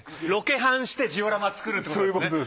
ロケハンしてジオラマ作るってこと。